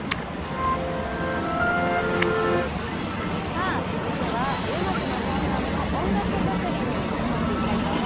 さあ続いては植松伸夫さんの音楽作りに迫っていきたいと思います。